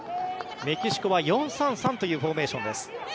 メキシコは４−３−３というフォーメーションです。